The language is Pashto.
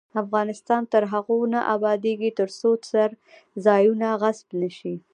افغانستان تر هغو نه ابادیږي، ترڅو څرځایونه غصب نشي.